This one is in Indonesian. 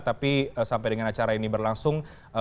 tapi sampai dengan acara ini berlangsung